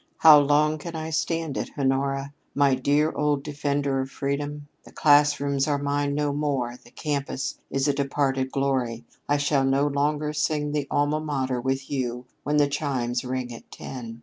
"How long can I stand it, Honora, my dear old defender of freedom? The classrooms are mine no more; the campus is a departed glory; I shall no longer sing the 'Alma Mater' with you when the chimes ring at ten.